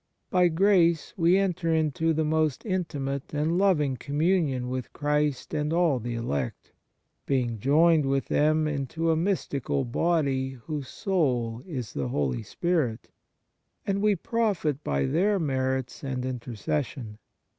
By grace we enter into the most intimate and loving communion with Christ and all the elect, being joined with them into a mystical Body whose soul is the Holy Spirit; and we profit by their merits and 115 H THE MARVELS OF DIVINE GRACE intercession.